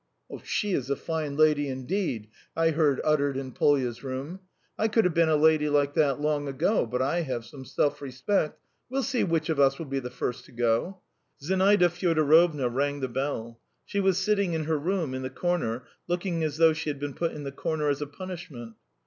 "She is a fine lady, indeed," I heard uttered in Polya's room. "I could have been a lady like that long ago, but I have some self respect! We'll see which of us will be the first to go!" Zinaida Fyodorovna rang the bell. She was sitting in her room, in the corner, looking as though she had been put in the corner as a punishment.